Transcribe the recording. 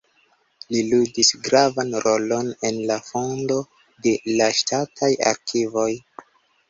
Li ludis gravan rolon en la fondo de la ŝtataj arkivoj.